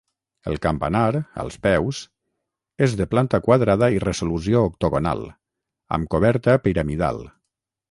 El campanar, als peus, és de planta quadrada i resolució octogonal, amb coberta piramidal.